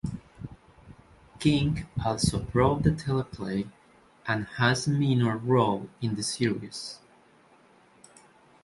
King also wrote the teleplay and has a minor role in the series.